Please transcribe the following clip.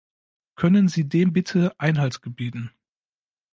Können Sie dem bitte Einhalt gebieten?